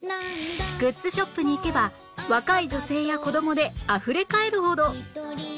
グッズショップに行けば若い女性や子どもであふれ返るほど